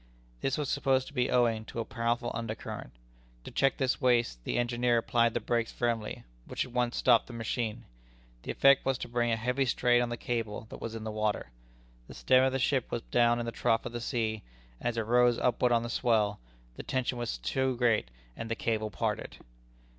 This was supposed to be owing to a powerful under current. To check this waste, the engineer applied the brakes firmly, which at once stopped the machine. The effect was to bring a heavy strain on the cable that was in the water. The stern of the ship was down in the trough of the sea, and as it rose upward on the swell, the tension was too great, and the cable parted.